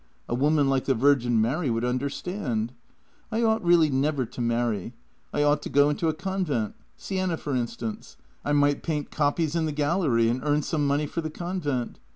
A woman like the Virgin Mary Avould understand. I ought really never to marry. I ought to go into a convent — Siena, for instance. I might paint copies in the gallery and earn some money for the convent.